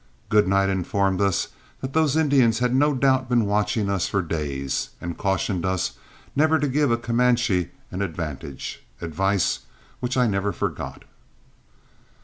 Goodnight informed us that those Indians had no doubt been watching us for days, and cautioned us never to give a Comanche an advantage, advice which I never forgot.